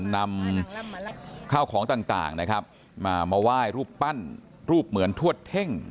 นำข้าวของต่างนะครับมาไหว้รูปปั้นรูปเหมือนทวดเท่ง